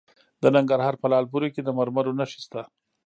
د ننګرهار په لعل پورې کې د مرمرو نښې شته.